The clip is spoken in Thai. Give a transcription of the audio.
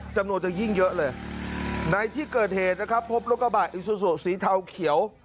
จำนวนจะยิ่งเยอะเลยในที่เกิดเหตุนะครับพบรถกระบะอิซูซูสีเทาเขียว